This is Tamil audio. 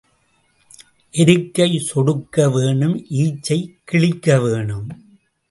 எருக்கைச் சொடுக்க வேணும் ஈச்சைக் கிழிக்க வேணும்.